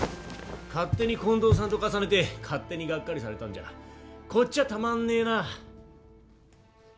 勝手に近藤さんと重ねて勝手にがっかりされたんじゃこっちはたまんねえな。